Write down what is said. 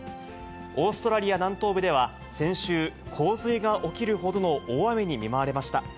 オーストラリア南東部では先週、洪水が起きるほどの大雨に見舞われました。